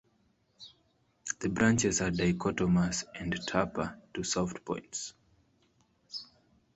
The branches are dichotomous and taper to soft points.